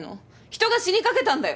人が死にかけたんだよ？